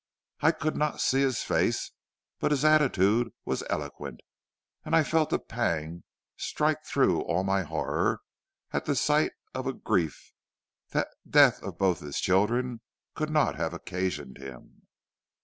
I could not see his face, but his attitude was eloquent, and I felt a pang strike through all my horror at the sight of a grief the death of both his children could not have occasioned him.